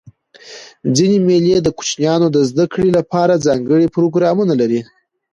ځيني مېلې د کوچنيانو د زدهکړي له پاره ځانګړي پروګرامونه لري.